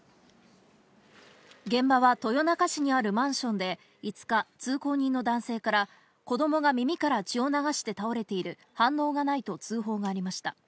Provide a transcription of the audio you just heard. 現場は豊中市にあるマンションで、５日、通行人の男性から子供が耳から血を流して倒れている、反応がないと通報がありました。